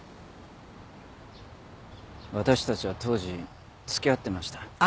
私たちは当時付き合ってました。